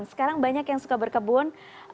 sekarang banyak yang suka berkebun